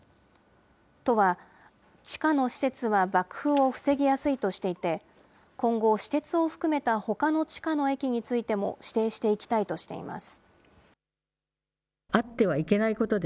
都は、地下の施設は爆風を防ぎやすいとしていて、今後、私鉄を含めたほかの地下の駅についても、指定していきたいとしています。